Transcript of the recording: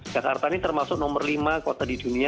jakarta ini termasuk nomor lima kota di dunia